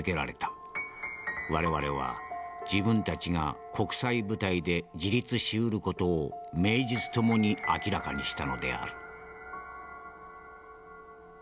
我々は自分たちが国際舞台で自立しうる事を名実ともに明らかにしたのである」。